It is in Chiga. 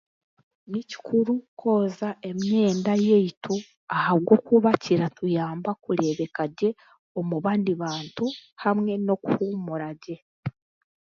Ni kikuru kwozya emyenda yaitu ahabwokuba kiratuyamba kureebekagye mu bandi bantu hamwe n'okuhuumura gye.